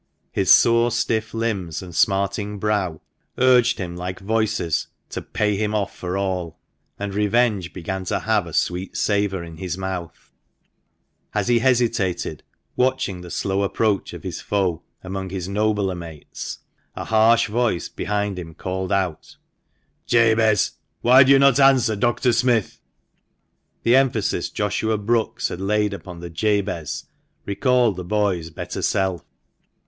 His sore, stiff limbs, and smarting brow, urged him like voices to " pay him off for all," and revenge began to have a sweet savour in his mouth. As he hesitated, watching the slow approach of his foe among his nobler mates, a harsh voice behind him called out, " Jabez, why do you not answer Dr. Smith ?" The emphasis Joshua Brookes had laid upon the " Jabez " recalled the boy's better self.